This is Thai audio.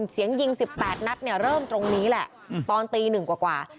เสียงยิง๑๘นัดเนี่ยเริ่มตรงนี้แหละตอนตี๑กว่า